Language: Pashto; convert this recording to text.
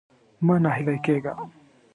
مه ناهيلی کېږه.